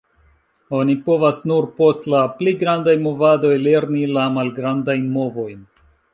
Oni povas nur post la pli grandaj movadoj lerni la malgrandajn movojn.